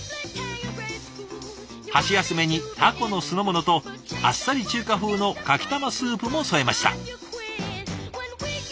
箸休めにタコの酢の物とあっさり中華風のかきたまスープも添えました。